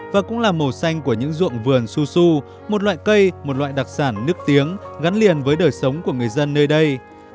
và cũng là màu xanh của những ruộng vườn su su một loại cây một loại đặc sản nước tiếng gắn liền với đời sống của người dân nơi đây